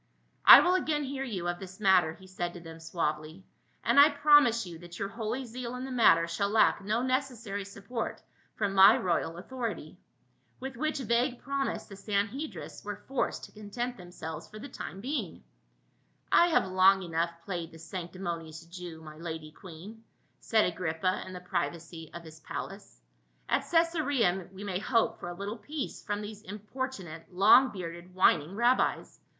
" I will again hear you of this mat ter," he said to them suavely; "and I promise you that your holy zeal in the matter shall lack no neces sary support from my royal authority." With which vague promise the Sanhedrists were forced to content themselves for the time being. " I have long enough played the sanctimonious Jew, my lady queen," said Agrippa in the privacy of his 24G PAUL. palace. "At Cacsarea we may hope for a little peace from these importunate long bearded whining rabbis.